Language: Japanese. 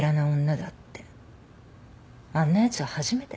あんなやつは初めて。